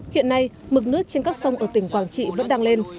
hiện nay mực nước trên các sông ở tỉnh quảng trị vẫn đang lên